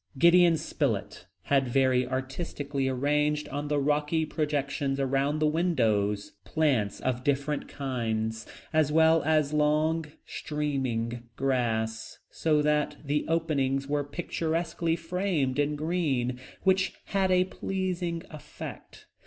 Gideon Spilett had very artistically arranged on the rocky projections around the windows plants of different kinds, as well as long streaming grass, so that the openings were picturesquely framed in green, which had a pleasing effect.